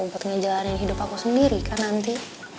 buat ngejalanin hidup aku sendiri kan nanti